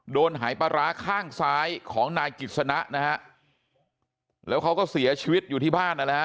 โดนหายปราศาสตร์ข้างซ้ายของนายกิจสนะแล้วเขาก็เสียชีวิตอยู่ที่บ้าน